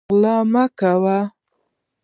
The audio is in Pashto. غلا مه کوئ